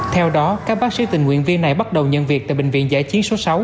theo đó các bác sĩ tình nguyện viên này bắt đầu nhận việc tại bệnh viện giải chiến số sáu